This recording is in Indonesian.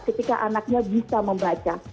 ketika anaknya bisa membaca